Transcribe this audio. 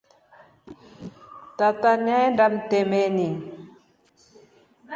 Tata nyaenda mtemani.